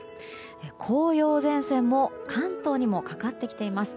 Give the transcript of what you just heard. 紅葉前線も関東にもかかってきています。